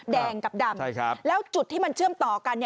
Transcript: แดงกับดำแล้วจุดที่มันเชื่อมต่อกัน